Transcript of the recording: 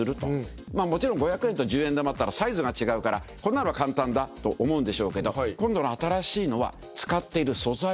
もちろん５００円と１０円玉だったらサイズが違うからこんなのは簡単だと思うんでしょうけど今度の新しいのは。